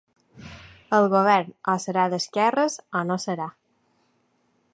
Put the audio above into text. El govern o serà d’esquerres o no serà.